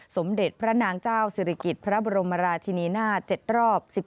สมเด็จพระนางเจ้าศิริกิจพระบรมราชินีนา๗รอบ